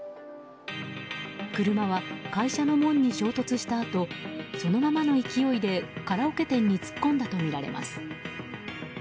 車は会社の門に衝突したあとそのままの勢いでカラオケ店に突っ込んだとみられます。